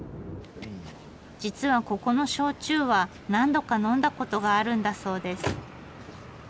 実はここの焼酎は何度か呑んだことがあるんだそうです。